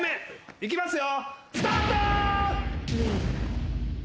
いきますよ。